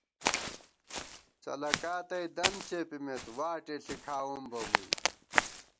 څلَکا تئ دن څېپِمېت، واٹےݪی کھاوُم بہ مُوئی